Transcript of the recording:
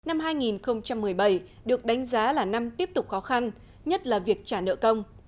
năm hai nghìn một mươi bảy được đánh giá là năm tiếp tục khó khăn nhất là việc trả nợ công